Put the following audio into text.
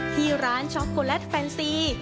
ที่ร้านช็อกโกแลตแฟนซี